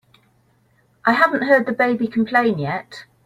I haven't heard the baby complain yet.